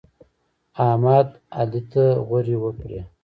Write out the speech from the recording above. احمد؛ علي ته غورې وکړې.